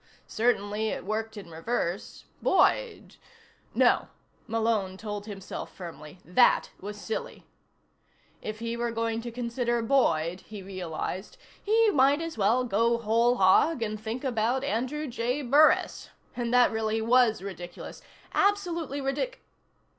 Certainly it worked in reverse. Boyd... No, Malone told himself firmly. That was silly. If he were going to consider Boyd, he realized, he might as well go whole hog and think about Andrew J. Burris. And that really was ridiculous. Absolutely ridic....